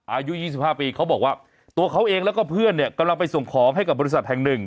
อายุ๒๕ปีเขาบอกว่าตัวเขาเองแล้วก็เพื่อนเนี่ยกำลังไปส่งของให้กับบริษัทแห่งหนึ่ง